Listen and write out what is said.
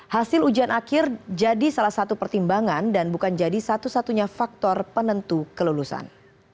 hasil ujian akhir jadi salah satu pertimbangan dan bukan jadi satu satunya faktor penentu kelulusan